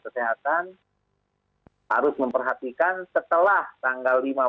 sehat sesehatan hai harus memperhatikan setelah tanggal lima belas